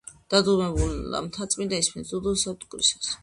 დადუმებულა მთაწმინდა ისმენს დუდუნსა მტკვრისასა.